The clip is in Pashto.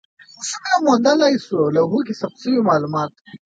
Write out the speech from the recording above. خو څنګه موندلای شو لوحو کې ثبت شوي مالومات؟